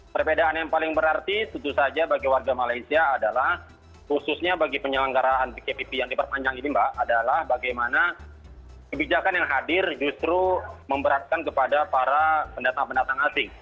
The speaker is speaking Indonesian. perbedaan yang paling berarti tentu saja bagi warga malaysia adalah khususnya bagi penyelenggaraan pkpp yang diperpanjang ini mbak adalah bagaimana kebijakan yang hadir justru memberatkan kepada para pendatang pendatang asing